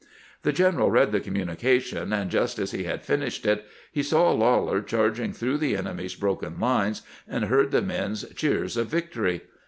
The general read the communica tion, and just as he had finished it he saw Lawler charging through the enemy's broken lines and heard the men's cheers of victory.